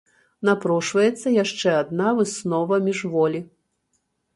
Напрошваецца яшчэ адна выснова міжволі.